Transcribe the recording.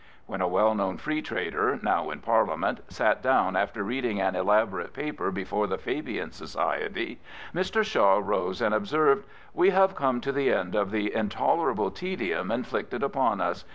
When a well known Free Trader, now in Parliament, sat down after reading an elaborate paper before the Fabian Society, Mr. Shaw rose, and observed: " We have come to the end of the intolerable tedium inflicted upon us.